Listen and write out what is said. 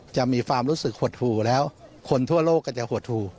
จะมีความรู้สึกหดหูแล้วคนทั่วโลกก็จะหดหู